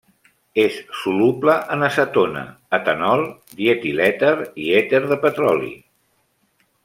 És soluble en acetona, etanol, dietilèter i èter de petroli.